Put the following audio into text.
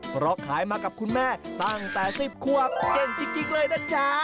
เพราะขายมากับคุณแม่ตั้งแต่๑๐ควบเก่งจริงเลยนะจ๊ะ